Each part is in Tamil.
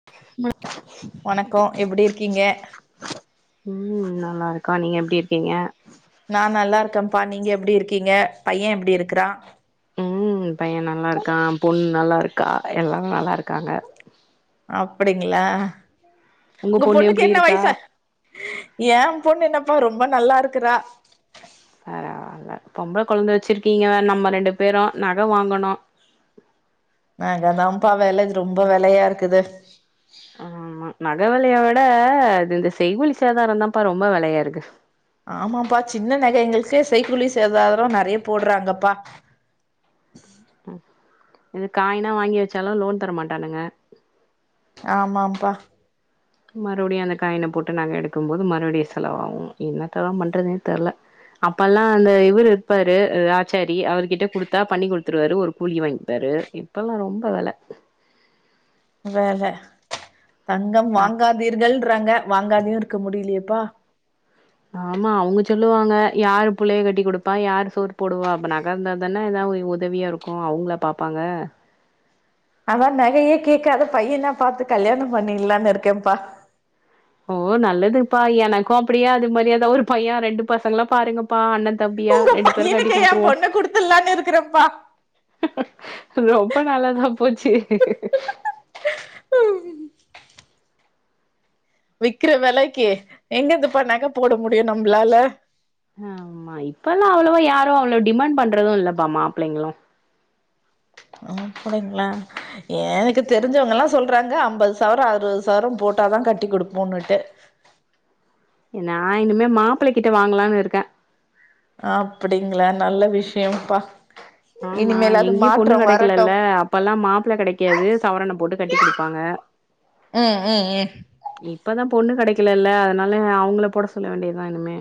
உங்களுக்க வணக்ககோ எப்ரிக்க்கீங்க ம் நல்லாருக்கோ நீங்க எப்டி இருக்கீங்க நா நல்லா இர்க்கப்பா நீங்க எப்டி இருக்கீங்க பைய எப்டி இருக்றா ம் பைய நல்லாருக்கா பொண்ணு நல்லாருக்கா எல்லாரு நல்லா இருக்காங்க அப்டிங்ளா உங்க பொண்ணு பொண்ணுக்கு எப்டி என்ன இருக்கா வயிச ஏ பொண்ணு என்னப்பா ரொம்போ நல்லா இருக்குறா பரவால்ல பொம்ள கொழந்த வெச்சிருக்கீங்க வே நம்ம ரெண்டு பேரு நக வாங்கன்னு நக தாப்பா வெல இது ரொம்ப வெலையாருக்குது ஆமா நக வெலைய விட அது இந்த செய்கூலி சேதாராதாப்பா ரொம்ப வெலையாருக்கு ஆமாப்பா சின்ன நகைங்களுக்கே செய்கூலி சேதாரோ நறிய போட்றாங்கப்பா இதுக் காய்னா வாங்கி வெச்சாலு லோன் தரமாட்டானுங்க ஆமாம்பா மறுபடியு அந்த காயின போட்டு நக எடுக்கும் போது மறுபுடியு செலவாவு என்னெத்ததா பண்றதுனே தெர்ல அப்பல்லா அந்த இவுரு இருப்பாரு ஆச்சாரி அவருக் கிட்ட குடுத்தா பண்ணி குடுதுடுவாரு ஒரு கூலி வாங்கிப்பாரு இப்பல்லா ரொம்ப வெல வெல தங்கம் ஆ வாங்காதீர்கள்ன்றாங்க வாங்காதையு இருக்க முடியிலேப்பா ஆமா அவுங்க சொல்லுவாங்க யாரு புள்ளைய கட்டி குடுப்பா யாரு சோறு போடுவா அப்ப நக இர்ந்தா தான ஏதாவ் ஒ தவியா இருக்கு அவுங்ளா பாப்பாங்க அதா நகையே கேக்காத பையனா பாத்து கல்யாணோ பண்ணில்லானு இருக்கேப்பா ஓ நல்லதுப்பா எனக்கு அப்டியே அது மாரியேதான் ஒரு பையே ரெண்டு பசங்களா பாருங்கப்பா அண்ணே தம்பியா உங்க ரெண்டு பேரு கட்டி பையனுக்கு ஏ குடுத்துருவோ பொண்ண குடுத்துடலான்னு இருக்கறேன்ப்பா ரொம்ப நல்லதா போச்சு விக்கிற வெலக்கி எங்கெந்துப்பா நக போட முடியு நம்ப்ளால ஆமா இப்பெல்லா அவ்ளோவா யாரும் அவ்ளோ டிமாண்ட் பண்றதும் இல்லப்பா மாப்ளைங்களும் ஒ அப்டிங்களா எனக்கு தெரிஞ்சவங்கல்லாம் சொல்றாங்க அம்பது சவரம் அறுபது சவரம் போட்டாதா கட்டி கொடுப்போம்னுட்டு நா இனிமே மாப்பிள கிட்ட வாங்கலாம்னு இருக்கே அப்டிங்களா நல்ல விஷய்ம்ப்பா ஆமா எங்கேயு பொண்ணு கெடக்கெல்லல அப்பல்லா மாப்பள்ள கெடக்காது சவரன போட்டு கட்டி குடுப்பாங்க அ அ அஹ் இப்பதா பொண்ணு கெடக்கலல்ல அத்னால அவங்கள போட சொல்ல வேண்டியதுதா இன்மே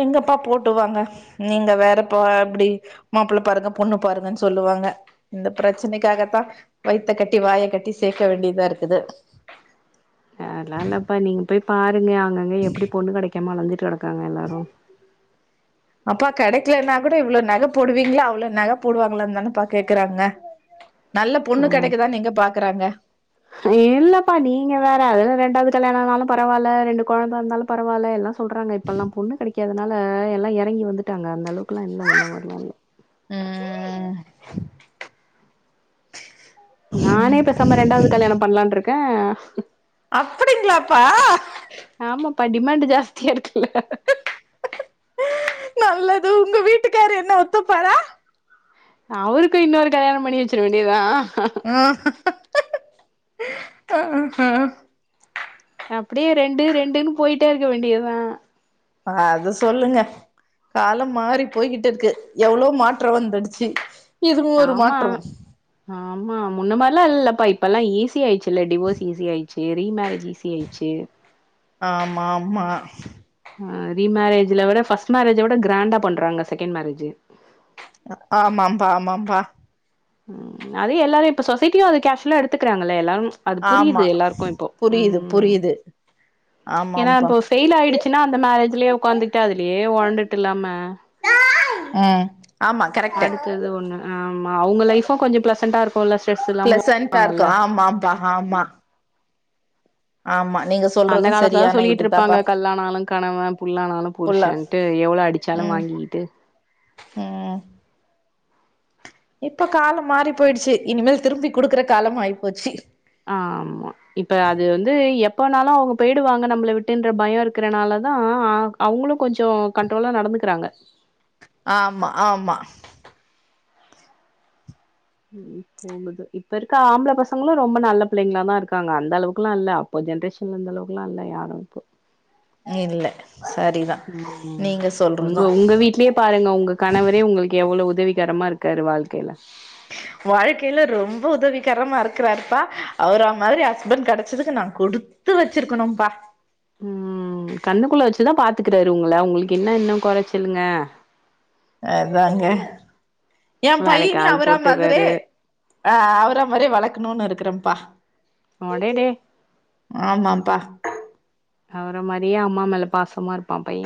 எங்கப்பா போட்டுவாங்க நீங்க வேறப்பா அப்டி மாப்புள்ள பாருங்க‌ பொண்ணு பாருங்கன்னு சொல்லுவாங்க இந்த ப்ரச்சனைக்காகத்தா வயித்த கட்டி வாய கட்டி சேக்க வேண்டியதாருக்குது அத்ல்லாம் இல்லப்பா நீங்க போய் பாருங்க அங்கங்க எப்டி பொண்ணு கெடக்காம அலஞ்சிட்டு கெடக்காங்க எல்லாரு அப்பா கெடக்கலன்னா கூட இவ்ளோ நக போடுவீங்களா அவ்ளோ நக போடுவாங்களான்னு தானப்பா கேக்குறாங்க நல்ல பொண்ணு ஆ கெடக்குதான்னு எங்க பாக்குறாங்க இல்லப்பா நீங்க வேற அதுல ரெண்டாவது கல்யாணம் ஆனாலு பரவால்ல ரெண்டு கொழந்த வந்தாலு பரவால்ல எல்லா சொல்றாங்க இப்பல்லாம் பொண்ணு கெடைக்காததுனால எல்லா எறங்கி வந்துட்டாங்க அந்தளவுக்குலா இல்ல முன்ன மாறிலா இல்ல ம் நானே பெசாம ரெண்டாவ்து கல்யாணோ பண்ணலாம்னு இருக்கே அப்டிங்களாப்பா ஆமாப்பா டிமாண்ட்டு ஜாஸ்தியா இருக்குல்ல நல்லது உங்க வீட்டுக்காரு என்ன ஒத்துப்பாரா அவருக்கும் இன்னொரு கல்யாணோ பண்ணி வச்சிட வேண்டியதா ம் அப்டியே ரெண்டு ரெண்டுன்னு போயிட்டேருக்க வேண்டியதா அத சொல்லுங்க காலம் மாறி போய்கிட்டு இருக்கு எவ்ளோ மாற்றம் வந்துடுச்சு இதுவு ஒரு ஆமா மாற்றம் ஆமா முன்ன மாரில்லாம் இல்லப்பா இப்பல்லாம் ஈஸி ஆயிச்சுல்ல டிவோர்ஸ் ஈஸி ஆயி சி ரீமேரேஜ் ஈசி ஆயிச்சு ஆம் ஆமா அ ரீமரேஜ்ல விட ஃபஸ்ட் மேரேஜ விட கிராண்டா பண்றாங்க செக்கேண் மேரேஜி ஆமாம்ப்பா ஆமாம்ப்பா ம் அதே எல்லாரு இப்ப சொசைட்டியு அத கேஷ்வுல்லா எடுத்துக்குறாங்கல்லே எல்லாரு அது ஆமா புரியுது எல்லாருக்கு இப்போ புரியுது ம் புரியுது ஏனா ஆமாம்பா இப்போ ஃபெயில் ஆயிடுச்சுனா அந்த மேரேஜ்லே ஒக்காந்துக்ட்டு அதுலுயே வாழ்ந்துட் இல்லாம ம் ஆமா கரெக்ட்டு அடுத்தது ஒன்னு ஆமா அவுங்க லைஃபு கொஞ்ச ப்ளசன்ண்டா இருக்குல்ல ஸ்ட்ரெஸ் இல்லாம ப்ளஸ்சண்டா இருக்கு வாங்கல்ல ஆமாம்ப்பா ஆமா ஆமா நீங்க அந்த சொல்றது காலத்லதா சரியான இதுதாப்பா சொல்லிகிட்ருப்பாங்க கல்லானாலு கணவ புல்லானாலு புல்லா புருஷன் டு எவ்ளோ அடிச்சாலு ம் வாங்கிக்கிட்டு ம் இப்ப கால மாறி போயிடுச்சு இனிமேல் திரும்பி குடுக்குற காலம் ஆயிப்போச்சு ஆமா இப்ப அது வந்து எப்பனாலு அவுங்க போய்டுவாங்க நம்மள விட்டுன்ற பயோ இருக்குறனாலதா அ அ அவுங்ளு கொஞ்சோ கண்ட்ரோலா நடந்துக்குறாங்க ஆமா ஆமா போகுது இப்ப இருக்க ஆம்ப்ள பசங்களு ரொம்ப நல்ல பிள்ளைங்ளா தா இருக்காங்க அந்த அளவுக்குலா இல்ல இப்ப ஜென்ரேஷனில இந்த அளவுக்குலா இல்ல யாரு இப்போ இல்ல சரிதா ம் ம் நீங்க உங்க சொல்றது உங்க வீட்லியே பாருங்க உங்க கணவரே உங்களுக்கு எவ்ளோ உதவிகரமா இருக்காரு வாழ்க்கைல வாழ்க்கைல ரொம்ப உதவிகரமா இருக்குறாருப்பா அவுர மாரி ஹஸ்பண்ட் கடைச்சதுக்கு நா குடுத் த்து வெச்சிர்க்கணும்பா ம் கண்ணக்குள்ள வச்சுதா பாத்துக்குறாரு உங்கள உங்களுக்கு என்ன இன்னு கொறச்சலுங்க அதாங்க ஏ வேலைக்கு பையன்யு ஆள் அவர மாதுரே போட்டுறாரு அ அவுர மாரே வளக்கணுன் இருக்குறம்ப்பா அடேடே ஆமாம்ப்பா அவுர மாரியே அம்மா மேல பாசமா இருப்பா பைய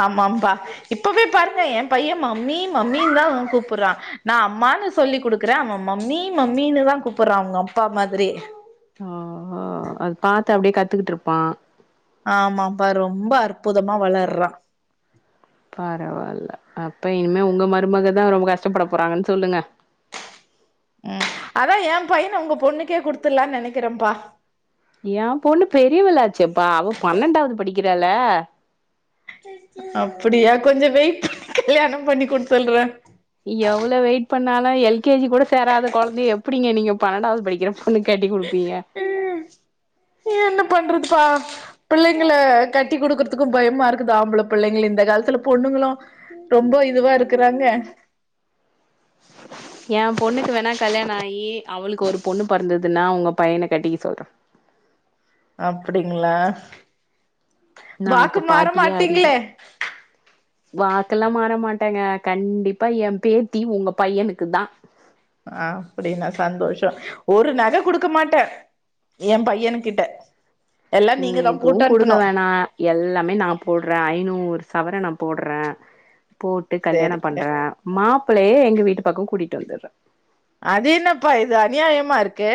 ஆமாம்ப்பா இப்பவே பாருங்க ஏ பைய மம்மி மம்மின்னு தா கூப்புற்றா நா அம்மான்னு சொல்லி் குடுக்குறே அவ மம்மி மம்மின்னு தா கூப்புற்றா அவுங்க அப்பா மாதுரி ஒ ஓ அது பாத்து அப்புடே கத்துக்குட்ருப்பா ஆமாம் ப்பா ரொம்ப அற்புதமா வளர்றா பரவால்ல அப்ப இனிமே உங்க மருமகதா ரொம்ப கஷ்ட்டப்பட போறாங்கன் சொல்லுங்க ம் அதா ஏ பையன உங்க பொண்ணுக்கே குட்த்துட்லான் நெனக்கிறம்ப்பா ஏ பொண்ணு பெரியவளாச்சேப்பா அவ பன்னண்டாவ்து படிக்கிறால அப்புடியா கொஞ்ச வெயிட் பண்ணு கல்யாண பண்ணிகோன் சொல்ற எவ்ளோ வெயிட் பண்ணாலு எல்கேஜி கூட சேராத கொழந்தய எப்புடிங்க நீங்க பன்னண்டாவ்து படிக்கிற ஒன்னு கட்டி குடுப்பீங்க என்ன பண்றதுப்பா பிள்ளைங்கள கட்டி குடுக்குருதுக்கு பயமா இருக்குது ஆம்பள பிள்ளைங்ள இந்த காலத்துல பொண்ணுங்களு ரொம்போ இதுவா இருக்குறாங்க [inaudible] எ பொண்ணுக்கு வேணா கல்யாண ஆகி அவளுக்கு ஒரு பொண்ணு பிறந்ததுன்னா உங்க பையனை கட்டிக்க சொல்றே அப்டிங்களா நா வாக்கு அப்ப மாற பாட்டியே மாட்டீங்களே ஆறிடுவே வாக்கெல்லா மாற மாட்டேங்க கண்டிப்பா என் பேத்தி உங்க பையனுக்கு தா அப்டின்னா சந்தோஷ ஒரு நகை கொடுக்க மாட்டே என் பையனு கிட்ட எல்லா நீங்க தா எதுவு போட்டு குடுக்க அனுப்பனு வேணா எல்லாமே நா போடுறே ஐநூறு சவரன் நா போடுறே போட்டு கல்யாணம் சேரிங்க பண்றே மாப்பிள்ளையே எங்க வீட்டு பக்க கூட்டிட்டு வந்துறே அது என்னப்பா இது அநியாயமா இருக்கு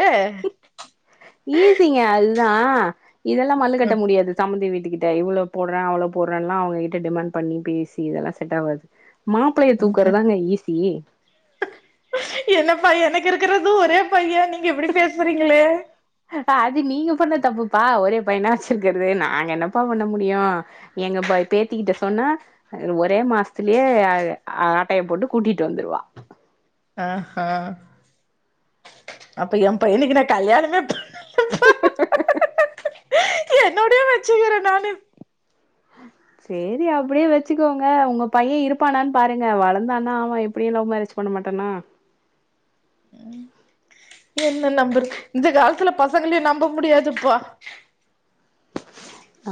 ஈசிங்க அதுதா இதெல்லா மல்லு கட்ட முடியாது சம்பந்தி வீட்டுக்கு இவ்வளோ போடுற அவள போடுறேன் நா அவங்க கிட்ட டிமாண்ட் பண்ணி பேசி இதெல்லா செட் ஆகாது மாப்பிளைய தூக்குறதாங்க ஈஸி என்ன பா எனக்கு இருக்கறது ஒரே பையன் நீங்க இப்டி பேசுறீங்களே அது நீங்க பண்ண தப்புப்பா ஒரே பையனா வச்சிருக்கறது நாங்க என்னப்பா பண்ண முடியு எங்க போய் பேத்திக்கிட்ட சொன்ன ஒரே மாசத்துலயே ஆட்டைய போட்டு கூட்டிட்டு வந்துருவா ஆ ஹ அப்ப எ பையனுக்கு நா கல்யாணமே பன் [unintelligible] என்னோடையே வெச்சுகிற நானு உஹ [inaudible] சேரி அப்டியே வச்சுக்கோங்க உங்க பையன் இருப்பானான்னு பாருங்க வளந்தான்னா ஆமா இப்படியு லவ் மேரேஜ் பண்ண மாட்டனா என்ன நம்பறது இந்த காலத்துல பசங்களையு நம்ப முடியாதுப்பா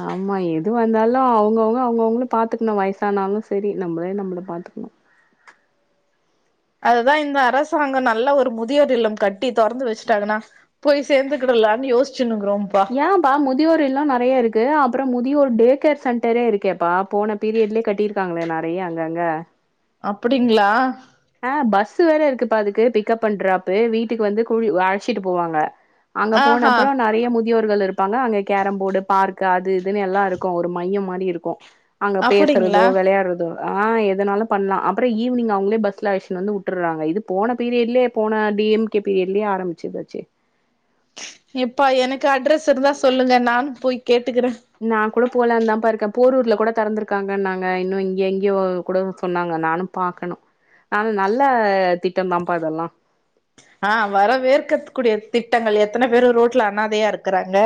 ஆம்மா எது வந்தாலு அவுங்க அவுங்க அவுங்க அவுங்க பாத்துக்கணு வயசானாலு செரி நம்மளே நம்மள பாத்துக்கணு அதுதா இந்த அரசாங்க நல்ல ஒரு முதியோர் இல்லம் கட்டி தொறந்து வச்சுட்டாங்கன்னா போயி சேந்துகிடலான்னு யோசிச்சினுகிறோம்பா ஆ பா முதியோர்ல்லோ நெறைய இருக்கு அப்போறோ முதியோர் டே கேர் சென்டரே இருக்கேப்பா போன பீரியட்லயே கட்டியிருக்காங்களே நெறைய அங்கஅங்க அப்பிடிங்களா ஆ பஸ் வேற இருக்கு பா அதுக்கு பிக்கப்புஅன்ட் டிரப்பு வீட்டுக்கு வந்து குழி அழைச்சிட்டு போவாங்க அங்க போன ஆஹா அப்பரோ நெறைய முத் முதியோர்கள் இருப்பாங்க அங்க கேரம் போர்டு பார்க் அது இதுன்னு எல்லா இருக்கு ஒரு மையம் மாரி இருக்கு அங்க பேசறதோ அப்டிங்களா விளையாடுறதோ ஆ எதனாலு பண்ணலா அப்பற ஈவினிங் அவங்களே பஸ் ல்ல வந்து உட்ருறாங்க இது போன பீரியட்லே போன டி எம் கே பீரியட்லயே ஆரம்பிச்சதாச்சே இப்பா எனக்கு அட்ரஸ் இருந்தா சொல்லுங்க நானு போய் கேட்டுக்கிறே நா கூட போலனுதா பா இருக்கே போரூர்ல கூட திறந்திருக்காங்க நாங்க இன்னும் இங்க எங்கயோ கூட சொன்னாங்க நானு பாக்கணு ஆனா நல்ல திட்டம் தாப்பா அதெல்லா ஆ வரவேற்க கூடிய திட்டங்கள் எத்தனை பேரு ரோட்ல அணாதையா இருக்கறாங்க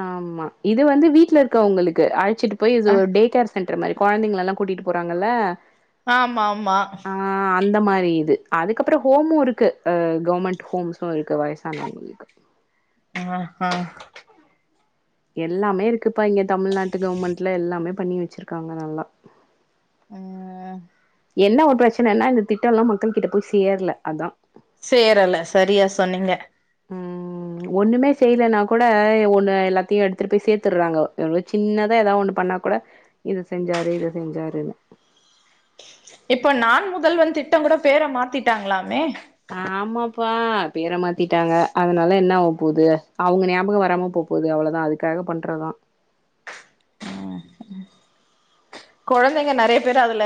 ஆமா இது வந்து வீட்ல இருக்க உங்களுக்கு அழைச்சிட்டு போய் இது அ டேட் கே சென்டர் மாரி கொழந்தைங்க எல்லா கூட்டிட்டு போறாங்கல்ல ஆமா ஆமா ஆ அந்த மாரி இது அதுக்கப்புற ஹோமு இருக்கு து கவர்மெண்ட் ஹோம்ஸு இருக்குது வயதானவங்களுக்கு ஆஆ எல்லாமே இருக்குப்பா இங்க தமிழ்நாட்டு கவர்மெண்ட்ல எல்லாமே பண்ணி வச்சிருக்காங்க நல்லா ம் என்ன ஒரு பிரச்சனா இந்த திட்டம் எல்லாம் மக்கள் கிட்ட போய் சேரல அதா சேரல சரியா சொன்னீங்க ம் ஒண்ணுமே செய்யலன்னா கூட ஒண்ணு எல்லாத்தையும் எடுத்துட்டு போய் சேத்துடுறாங்க எவ்ளௌ சின்னதா ஏதாவ ஒண்ணு பண்ணா கூட இத செஞ்சாரு இத செஞ்சாருன்னு இப்ப நா முதல்வன் திட்டோ கூட பேர மாத்திட்டாங்களாமே ஆமாப்பா பேர மாத்திட்டாங்க அதனால என்ன ஆவ போது அவுங்க ஞாபகோ வராம போ போது அவ்ளோதா அதுக்காக பண்றதா கொழந்தைங்க நறைய பேர் அதுல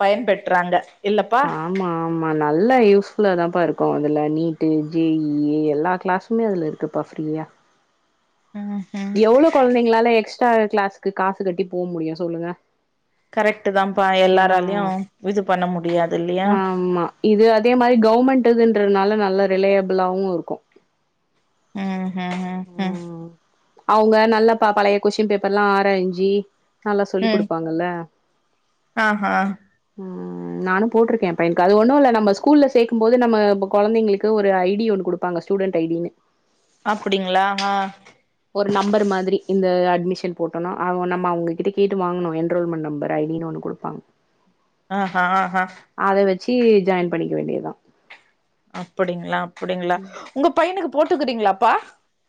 பயன்பெற்றாங்க இல்லப்பா ஆமா ஆமா நல்லா யூஸ்ஃபுல்லா தாப்பா இருக்கு அதுல நீட்டு ஜே இ எல்லா கிளாஸ் ஸுமே அதுல இருக்கப்பா ஃப்ரீயா ம் ம் எவ்ளோ கொழந்தைங்களால எக்ஸ்ட்ரா கிளாஸ்கு காசு கட்டி போக முடியு சொல்லுங்க கரெக்ட்டு தாப்பா எல்லாராலையு ஆ இது பண்ண முடியாது இல்லியா ஆமா இது அதே மாரி கவர்மெண்ட்டு இதுன்றனால நல்ல ரிலையபிளாவு இருக்கு ம் ம் ம் அவுங்க நல்லா பா பழைய கொஷின் பேப்பர்ல்லா ஆராயிஞ்சி நல்லா சொல்லி் குடுப்பாங்கல்ல ஆஹ ம் நானும் போட்டிருக்கேன்ப்ப எனக்கு அது ஒன்னு இல்ல நம்ம ஸ்கூல்ல சேக்கும்போது நம்ம கொந்தைங்களுக்கு ஒரு ஐ டி ஒன்னு குடுப் ப்பாங்க ஸ்டுடென்ட் ஐ டி னு அப்டிங்களா ஆ ஒரு நம்பர் மாதிரி இந்த அட்மிஷன் போட்டோனா அவ நம்ம அவுங்ககிட்ட கேட்டு வாங்கணும் என்ரோல்மெண்ட் நம்பர் ஐ டி ன்னு ஒன்னு குடுப்பாங்க அஹ ஆஹா அத வச்சி ஜாயின் பண்ணிக்க வேண்டியதுதா அப்டிங்களா அப்டிங்களா உங்க பையனுக்கு போட்டுக்கறீங்களாப்பா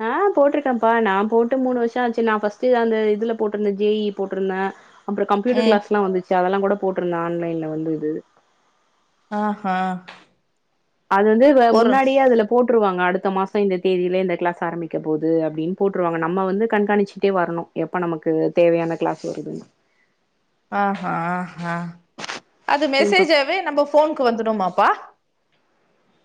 ஆ போட்டிருக்கேன்ப்பா நா போட்டு மூணு வருஷம் ஆச்சு நா ஃபஸ்ட்டு அந்த இதுல போட்டிருந்தன் ஜே இ இ போட்டிருந்தேன் அப்புறோ கம்யூட்டர் ம் கிளாஸ்லா வந்துச்சு அதல்லா கூட போட்டிருந்தன் ஆன்லைனல வந்து இது ஆஹ அது வந்து வ முன்னாடியே அதுல போட்டுருவாங்க அடுத்த மாசோ இந்த தேதியில இந்த கிளாஸ் ஆரம்பிக்க போது அப்டின்னு போட்டுருவாங்க நம்ம வந்து கண்காணிச்சிட்டே வரணும் எப்ப நமக்கு தேவயான கிளாஸ் வருதுன்னு ஆஹா ஹ அது இப்ப மெசேஜாவே நம்ம ஃபோனுக்கு வந்துடுமாப்பா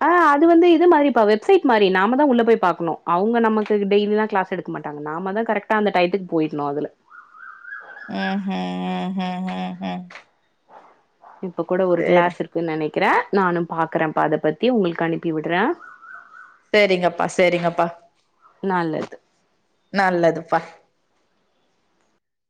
அ அது வந்து இது மாரிப்பா வெப்சைட் மாரி நாம தா உள்ள போய் பாக்கணு அவுங்க நமக்கு டெ்ய்லி தா கிளாஸ் எடு மாட்டாங்கா நாம தா கரெக்டா அந்த டயத்துக்கு போயிடணும் அதுல ம்ஹு ம்ஹு உ உ உ இப்ப கூட ஒரு கிளாஸ் இருக் க்கு நினக்கிற நானும் பாக்குறேன்ப்ப அத பத்தி உங்களுக்கு அனுப்பி விடுற சேரிங்கப்பா சேரிங்கப்பா நல்லது நல்லதுப்பா